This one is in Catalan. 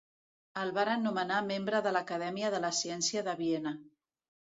El varen nomenar membre de l'Acadèmia de la ciència de Viena.